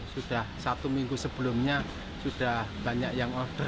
sudah satu minggu sebelumnya sudah banyak yang order